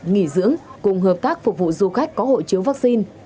nghỉ dưỡng cùng hợp tác phục vụ du khách có hộ chiếu vaccine